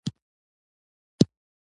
کتاب ولوله !